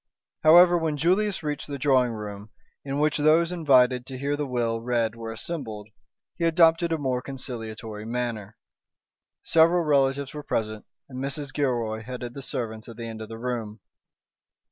However, when Julius reached the drawing room, in which those invited to hear the will read were assembled, he adopted a more conciliatory manner. Several relatives were present, and Mrs. Gilroy headed the servants at the end of the room.